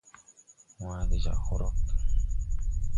Waa ge jagge hrog.